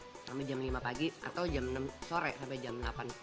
misalnya jam tiga sampai jam lima pagi atau jam enam sore sampai jam delapan